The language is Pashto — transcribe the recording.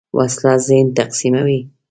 وسله ذهن تقسیموي